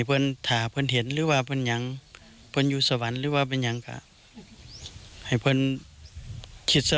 และให้พวกนี้เห็นหรืออยู่สวรรค์หรือเป็นอย่างที่แบบนี้